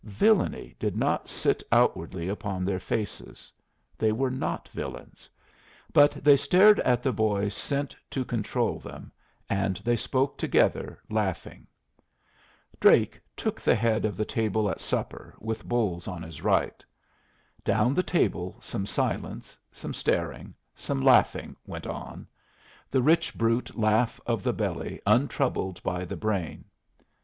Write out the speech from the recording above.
Villany did not sit outwardly upon their faces; they were not villains; but they stared at the boy sent to control them, and they spoke together, laughing. Drake took the head of the table at supper, with Bolles on his right. Down the table some silence, some staring, much laughing went on the rich brute laugh of the belly untroubled by the brain.